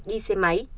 đi xe máy